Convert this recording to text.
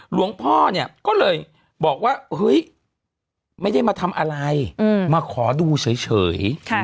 หลวงพ่อเนี่ยก็เลยบอกว่าเฮ้ยไม่ได้มาทำอะไรมาขอดูเฉย